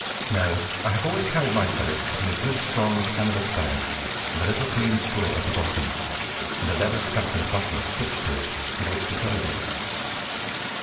No, I have always carried my ferrets in a good strong canvas bag, with a little clean straw at the bottom, and a leather strap and buckle stitched on to it with which to close it.